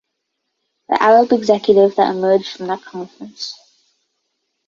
The Arab executive that emerged from that conference.